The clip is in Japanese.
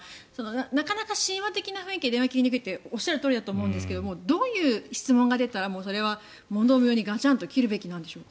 なかなか親和的な雰囲気で電話が切りにくいってあると思いますがどういう質問が出たらそれは問答無用にガチャンと切るべきなんでしょうか。